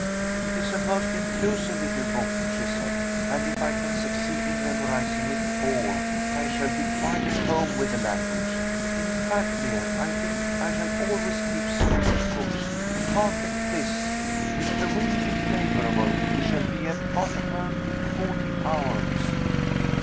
"It is a most inclusive little book," she said, "and if I can succeed in memorizing it all I shall be quite at home with the language. In fact, dear, I think I shall always keep Swedish cooks. Hark at this: 'If the wind be favorable, we shall be at Gothenburg in forty hours.'